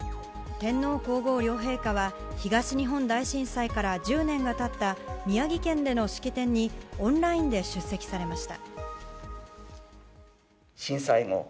天皇・皇后両陛下は東日本大震災から１０年が経った宮城県での式典にオンラインで出席されました。